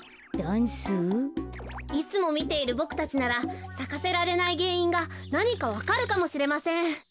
いつもみているボクたちならさかせられないげんいんがなにかわかるかもしれません。